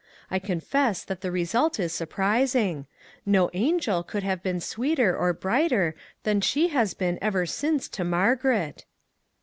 I confess that the result is surprising. No angel could have been sweeter or brighter than she has been ever since to Margaret."